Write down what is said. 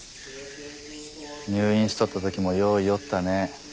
入院しとったときもよう言いよったね。